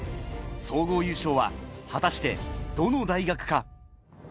総合優勝は果たして、どの大学か？